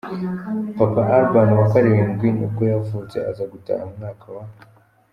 Papa Urban wa karindwi nibwo yavutse aza gutaha mu mwaka w’.